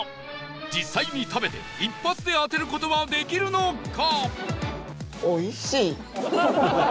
実際に食べて一発で当てる事はできるのか？